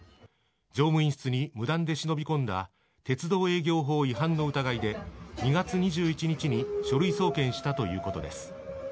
乗務員室に無断で忍び込んだ鉄道営業法違反の疑いで、２月２１日に書類送検したということです。